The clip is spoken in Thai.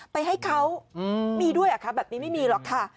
ไปให้เขามีด้วยเหรอคะแบบนี้ไม่มีหรอกค่ะ